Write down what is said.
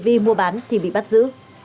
vì mua bán thì bị bắt giữ